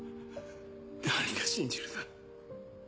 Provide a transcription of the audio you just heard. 何が信じるだ。